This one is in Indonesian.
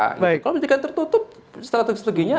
kalau penyelidikan tertutup strategi strateginya